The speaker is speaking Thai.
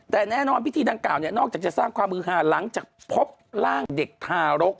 แต่แน่นอนพิธีดังกล่าวเนี่ยนอกจากจะสร้างความมือหาหลังจากพบร่างเด็กทารก